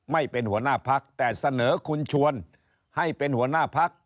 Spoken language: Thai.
ไม่เป็นหัวหน้าพักแต่เสนอคุณชวนให้เป็นหัวหน้าพัก